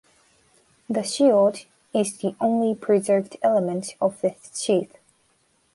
The shield is the only preserved element of the sheath.